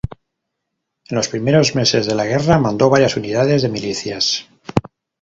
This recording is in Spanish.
En los primeros meses de la guerra mandó varias unidades de milicias.